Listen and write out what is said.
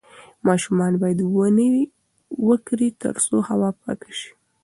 ماشومان باید ونې وکرې ترڅو هوا پاکه شي.